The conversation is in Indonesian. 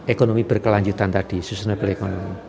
ekonomi berkelanjutan tadi sustainable economy